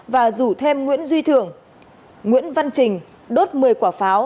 và rủ thêm nguyễn duy thường nguyễn văn trình đốt một mươi quả pháo